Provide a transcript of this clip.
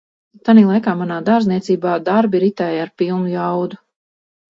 "Tanī laikā manā "dārzniecībā" darbi ritēja ar pilnu jaudu."